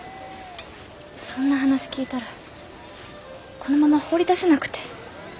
そんな話聞いたらこのまま放り出せなくて。